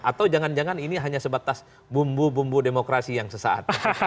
atau jangan jangan ini hanya sebatas bumbu bumbu demokrasi yang sesaat